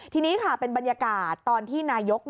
ทีนี้ค่ะเป็นบรรยากาศตอนที่นายก